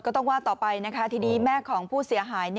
ต้องว่าต่อไปนะคะทีนี้แม่ของผู้เสียหาย